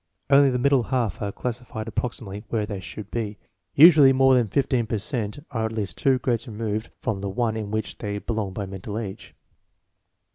Only the middle half are classified approximately where they should be. Usually more than 15 per cent are at least two grades removed from the one in which they belong by mental age.